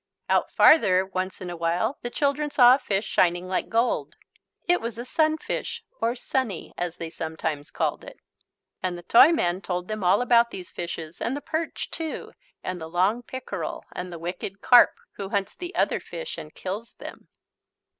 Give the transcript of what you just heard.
Out farther, once in a while, the children saw a fish shining like gold. It was a sunfish or "sunny" as they sometimes called it. And the Toyman told them all about these fishes and the perch, too, and the long pickerel and the wicked carp, who hunts the other fish and kills them.